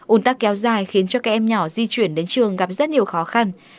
ủn tắc kéo dài khiến cho các em nhỏ di chuyển đến trường gặp rất nhiều khó khăn